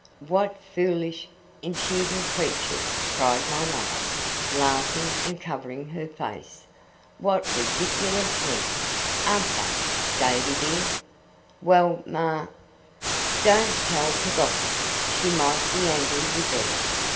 'What foolish, impudent creatures!' cried my mother, laughing and covering her face. 'What ridiculous men! An't they? Davy dear ' 'Well, Ma.' 'Don't tell Peggotty; she might be angry with them.